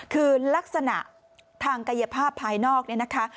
คือลักษณะทางกายภาพภายนอกเนี่ยนะคะ